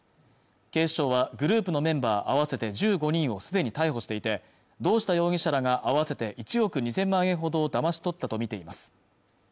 警視庁はグループのメンバー合わせて１５人をすでに逮捕していて堂下容疑者らが合わせて１億２０００万円ほどをだまし取ったとみています